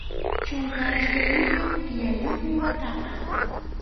Chunka iskayniyuq killayuqmi wataqa.